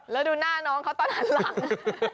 แล้วดูหน้าน้องเขาตอนหันหลัง